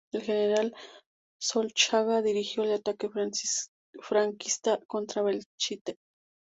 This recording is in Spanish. El General Solchaga dirigió el ataque franquista contra Belchite.